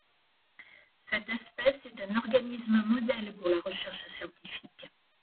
Cette espèce est un organisme modèle pour la recherche scientifique.